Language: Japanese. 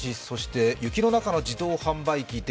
そして雪の中の自動販売機。